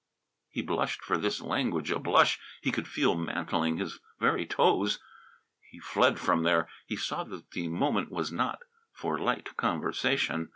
He blushed for this language, a blush he could feel mantling his very toes. He fled from there. He saw that the moment was not for light conversation.